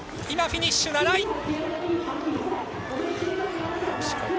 今フィニッシュ７位。